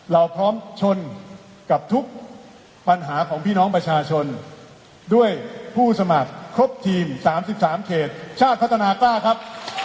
เราพร้อมชนกับทุกปัญหาของพี่น้องประชาชนด้วยผู้สมัครครบทีม๓๓เขตชาติพัฒนากล้าครับ